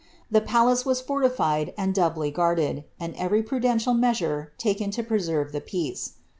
The palace was fortified and doubly guarded, and every prudential mea •nre taken to preseire the peace.